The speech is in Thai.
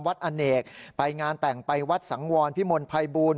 อเนกไปงานแต่งไปวัดสังวรพิมลภัยบูล